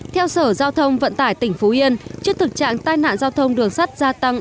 theo sở giao thông vận tải tỉnh phú yên trước thực trạng tai nạn giao thông đường sắt gia tăng